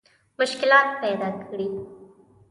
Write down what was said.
مشکلات پیدا کړي.